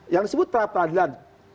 yang disebut perapradilan